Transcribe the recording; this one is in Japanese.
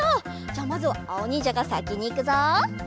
じゃあまずはあおにんじゃがさきにいくぞ。